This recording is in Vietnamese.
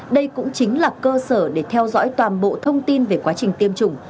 đây cũng chính là cơ sở để theo dõi toàn bộ thông tin về quá trình tiêm chủng